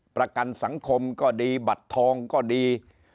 ประกันสังคมก็ดีบัตรทองก็ดี